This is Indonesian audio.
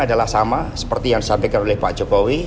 adalah sama seperti yang disampaikan oleh pak jokowi